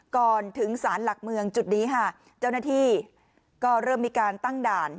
ก่อนถึงสารหลักเมืองจุดนี้ค่ะเจ้าหน้าที่ก็เริ่มมีการตั้งด่าน